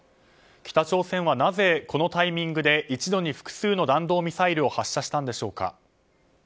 北朝鮮はなぜこのタイミングで一度に複数の弾道ミサイルを発射したんでしょうか。